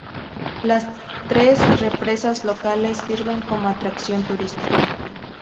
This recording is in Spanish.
Las tres represas locales sirven como atracción turística.